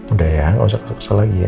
udah ya gak usah kesel kesel lagi ya